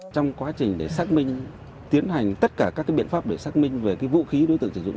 trong quá trình để xác minh tiến hành tất cả các biện pháp để xác minh về vũ khí đối tượng sử dụng